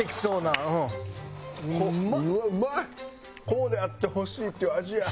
こうであってほしいっていう味や。